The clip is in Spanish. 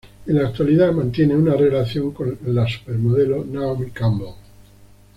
En la actualidad mantiene una relación con la supermodelo Naomi Campbell.